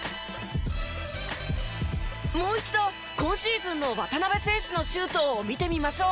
もう一度今シーズンの渡邊選手のシュートを見てみましょう。